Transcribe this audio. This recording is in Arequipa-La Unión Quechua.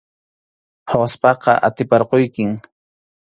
Phawaspaqa atiparquykim.